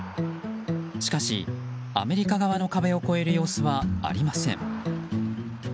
しかしアメリカ側の壁を越える様子はありません。